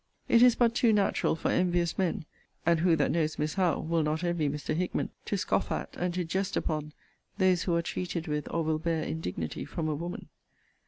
It is but too natural for envious men (and who that knows Miss Howe, will not envy Mr. Hickman!) to scoff at, and to jest upon, those who are treated with or will bear indignity from a woman.